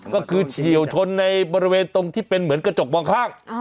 ก็คือเฉียวชนในบริเวณตรงที่เป็นเหมือนกระจกมองข้าง